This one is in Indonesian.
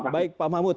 baik pak mahmud